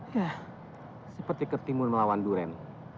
ya seperti ketimun melawan duren